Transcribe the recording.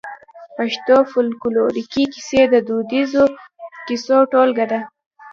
پښتو فولکلوريکي کيسې د دوديزو کيسو ټولګه ده.